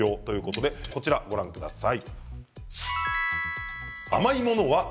こちらをご覧ください。